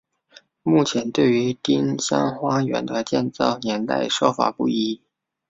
目前对于丁香花园的建造年代说法不一。